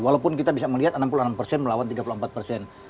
walaupun kita bisa melihat enam puluh enam persen melawan tiga puluh empat persen